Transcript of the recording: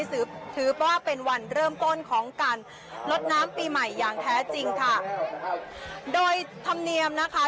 ถือถือว่าเป็นวันเริ่มต้นของการลดน้ำปีใหม่อย่างแท้จริงค่ะครับโดยธรรมเนียมนะคะ